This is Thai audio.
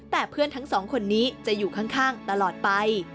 แต่เพื่อนทั้งสองคนนี้จะอยู่ข้างตลอดไป